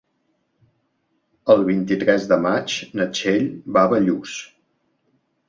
El vint-i-tres de maig na Txell va a Bellús.